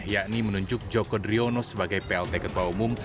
yakni menunjuk joko driono sebagai plt ketua umum